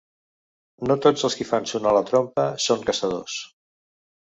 No tots els qui fan sonar la trompa són caçadors.